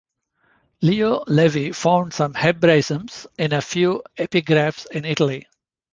Leo Levi found some hebraisms in a few epigraphs in Italy.